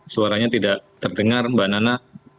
suaranya tidak terdengar mbak nana